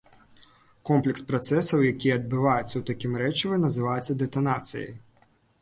Комплекс працэсаў, які адбываецца ў такім рэчыве, называецца дэтанацыяй.